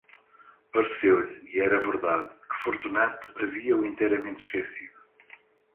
Pareceu-lhe, e era verdade, que Fortunato havia-o inteiramente esquecido.